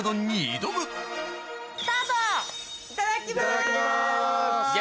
いただきます！